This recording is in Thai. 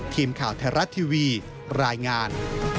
ทีมข่าวไทยรัฐทีวีรายงาน